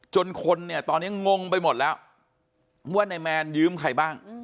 จนคนเนี่ยตอนนี้งงไปหมดแล้วว่านายแมนยืมใครบ้าง